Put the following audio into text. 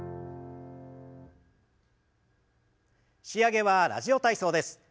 仕上げは「ラジオ体操」です。